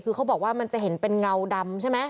คือเขาบอกว่ามันจะเห็นเป็นเงาดำใช่ไหม